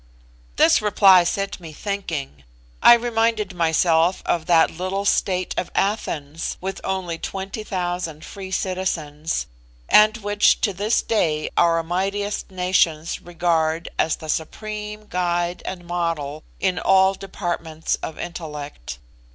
This reply set me thinking. I reminded myself of that little state of Athens, with only twenty thousand free citizens, and which to this day our mightiest nations regard as the supreme guide and model in all departments of intellect.